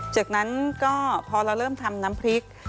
จากนั้นก็พอเราเริ่มทำน้ำพริก